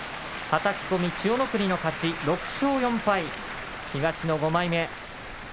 はたき込み、千代の国の勝ち６勝４敗、東の５枚目。